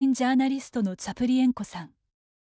ウクライナ人ジャーナリストのツァプリエンコさん。